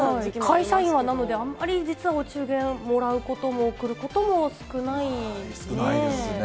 会社員は、なのであんまり実はお中元もらうことも、贈ることも少ないですね。